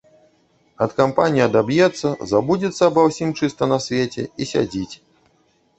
Ад кампаніі адаб'ецца, забудзецца аба ўсім чыста на свеце і сядзіць.